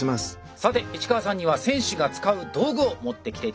さて市川さんには選手が使う道具を持ってきて頂きました。